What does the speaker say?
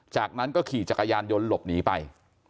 จากนั้นก็ขี่จักรยานยนต์หลบหนีไป